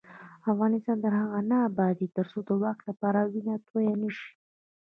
افغانستان تر هغو نه ابادیږي، ترڅو د واک لپاره وینه تویه نشي.